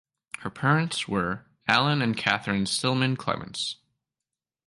Her parents were Allen and Catherine Stillman Clements.